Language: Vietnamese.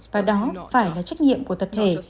và đó phải là trách nhiệm của tập thể